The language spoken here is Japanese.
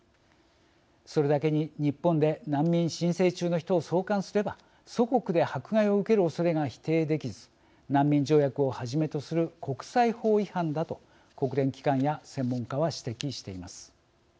それだけに日本で難民申請中の人を送還すれば祖国で迫害を受けるおそれが否定できず難民条約をはじめとする国際法違反だと、国連機関や専門家は指摘しています。